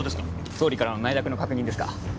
総理からの内諾の確認ですか？